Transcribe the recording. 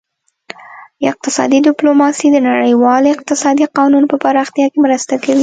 اقتصادي ډیپلوماسي د نړیوال اقتصادي قانون په پراختیا کې مرسته کوي